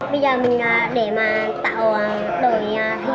bây giờ mình là để mà tạo đổi hình